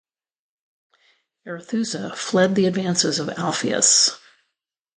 Arethusa fled the advances of Alpheus.